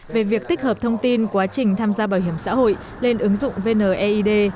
về việc tích hợp thông tin quá trình tham gia bảo hiểm xã hội lên ứng dụng vneid